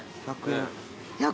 １００円？